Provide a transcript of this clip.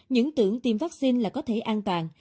những tưởng tiêm vaccine là có thể an toàn